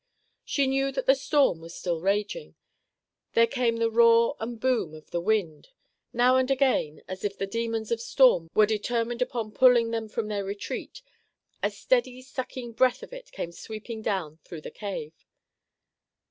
She knew that the storm was still raging. There came the roar and boom of the wind. Now and again, as if the demons of storm were determined upon pulling them from their retreat, a steady sucking breath of it came sweeping down through the cave.